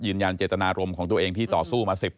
ยืนยันเจตนารมณ์ของตัวเองที่ต่อสู้มา๑๐